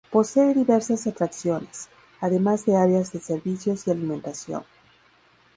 Posee diversas atracciones, además de áreas de servicios y alimentación.